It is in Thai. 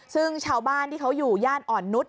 ซึ่งชาวบ้านที่เขาอยู่ย่านอ่อนนุษย